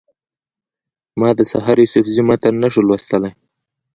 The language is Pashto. ما د سحر یوسفزي متن نه شو لوستلی.